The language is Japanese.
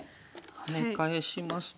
ハネ返しますと。